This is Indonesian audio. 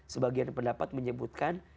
sebagian pendapat menyebutkan